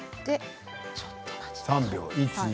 ３秒。